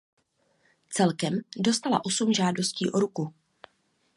Celkem dostala osm žádostí o ruku.